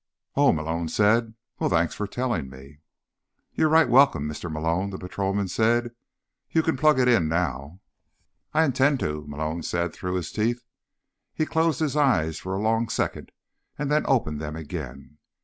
"Oh," Malone said. "Well, thanks for telling me." "You're right welcome, Mr. Malone," the patrolman said "You can plug it in now." "I intend to," Malone said through his teeth. He closed his eyes for a long second, and then opened them again.